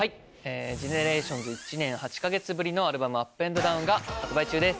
ＧＥＮＥＲＡＴＩＯＮＳ１年８か月ぶりのアルバム『Ｕｐ＆Ｄｏｗｎ』が発売中です。